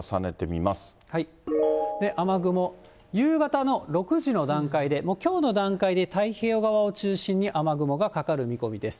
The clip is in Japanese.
雨雲、夕方の６時の段階で、きょうの段階で、太平洋側を中心に雨雲がかかる見込みです。